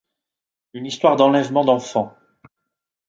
Une histoire d'enlèvement d'enfant.